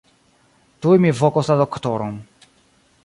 Tuj mi vokos la doktoron.